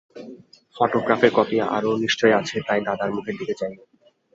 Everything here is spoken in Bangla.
ফোটোগ্রাফের কপি আরো নিশ্চয় আছে, তাই দাদার মুখের দিকে চাইলে।